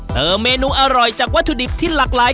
เมนูอร่อยจากวัตถุดิบที่หลากหลาย